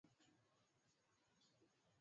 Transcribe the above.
Aliandika kwenye Twitter siku ya Alhamisi